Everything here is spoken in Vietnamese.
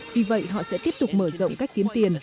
vì vậy họ sẽ tiếp tục mở rộng cách kiếm tiền